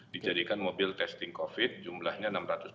dijadikan mobil testing covid jumlahnya enam ratus tiga puluh